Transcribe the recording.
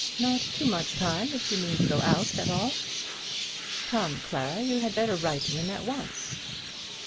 "Not too much if you mean to go out at all. Come, Clara, you had better write to him at once."